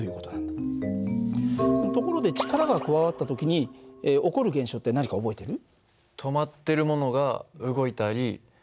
ところで力が加わった時に起こる現象って何か覚えてる？